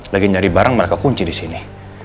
lagi nyari barang mereka kunci disini